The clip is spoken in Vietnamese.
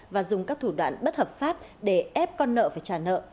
và dùng các thủ đoạn bất hợp pháp để ép con nợ phải trả nợ